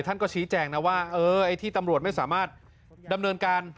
ท่านก็ชี้แจ้งว่าที่ตำรวจไม่สามารถดำเนินการ